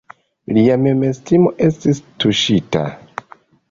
Lia memestimo estis tuŝita.